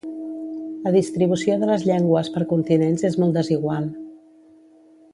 La distribució de les llengües per continents és molt desigual.